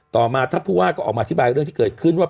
ต่อมาท่านผู้ว่าก็ออกมาอธิบายเรื่องที่เกิดขึ้นว่า